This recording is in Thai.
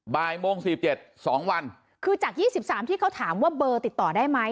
บ่ายโมงสี่บเจ็ดสองวันคือจากยี่สิบสามที่เขาถามว่าเบอร์ติดต่อได้ไหม